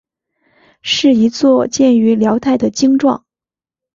是一座建于辽代的经幢。